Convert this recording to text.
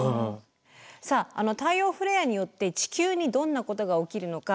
さあ太陽フレアによって地球にどんなことが起きるのか？